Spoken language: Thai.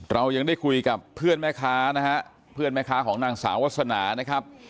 เรายังได้คุยกับเพื่อนแม่ค้านะฮะเพื่อนแม่ค้าของนางสาววาสนานะครับ